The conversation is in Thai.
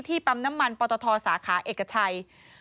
ปั๊มน้ำมันปตทสาขาเอกชัย